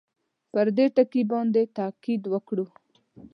پر دې ټکي باندې تاءکید وکړو.